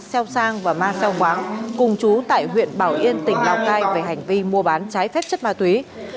xeo sang và ma xeo khoáng cùng chú tại huyện bảo yên tỉnh lào cai về hành vi mua bán trái phép chất ma túy